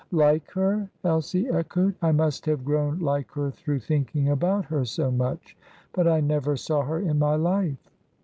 "Like her?" Elsie echoed. "I must have grown like her through thinking about her so much! But I never saw her in my life."